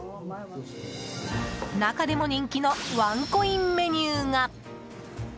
中でも人気のワンコインメニューが。